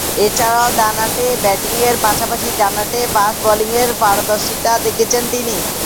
এছাড়াও ডানহাতে ব্যাটিংয়ের পাশাপাশি ডানহাতে ফাস্ট বোলিংয়ে পারদর্শীতা দেখিয়েছেন তিনি।